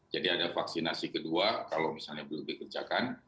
jadi ada vaksinasi kedua kalau misalnya belum dikerjakan